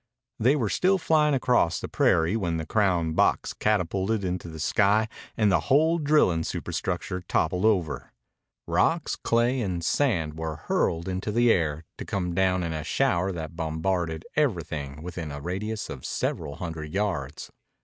They were still flying across the prairie when the crown box catapulted into the sky and the whole drilling superstructure toppled over. Rocks, clay, and sand were hurled into the air, to come down in a shower that bombarded everything within a radius of several hundred yards.